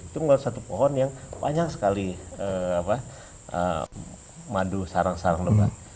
itu membuat satu pohon yang banyak sekali madu sarang sarang lebah